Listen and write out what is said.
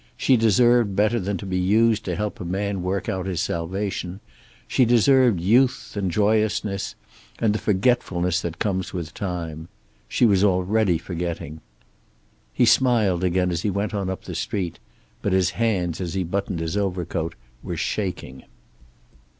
She deserved better than to be used to help a man work out his salvation. She deserved youth, and joyousness, and the forgetfulness that comes with time. She was already forgetting. He smiled again as he went on up the street, but his hands as he buttoned his overcoat were shaking.